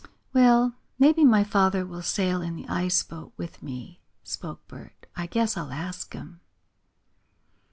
"Well, maybe my father will sail in the ice boat with me," spoke Bert. "I guess I'll ask him."